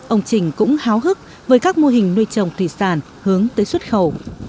ông trình cũng háo hức với các mô hình nuôi trồng thủy sản hướng tới xuất khẩu